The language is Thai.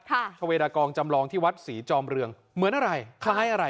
ชาเวดากองจำลองที่วัดศรีจอมเรืองเหมือนอะไรคล้ายอะไร